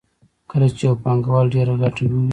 کله چې یو پانګوال ډېره ګټه وویني